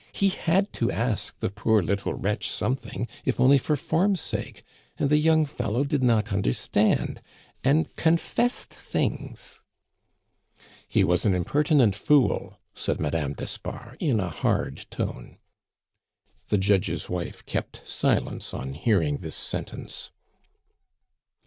He had to ask the poor little wretch something, if only for form's sake, and the young fellow did not understand, and confessed things " "He was an impertinent fool!" said Madame d'Espard in a hard tone. The judge's wife kept silence on hearing this sentence.